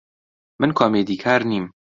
من کۆمیدیکار نیم.